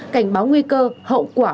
cảnh báo nguy cơ hậu quả